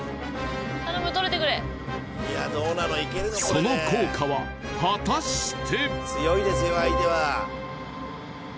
その効果は果たして？